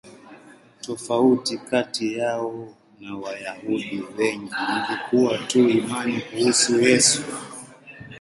Tofauti kati yao na Wayahudi wengine ilikuwa tu imani kuhusu Yesu.